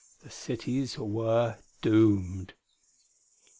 The cities were doomed....